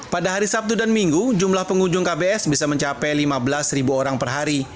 pada hari sabtu dan minggu jumlah pengunjung kbs bisa mencapai lima belas ribu orang per hari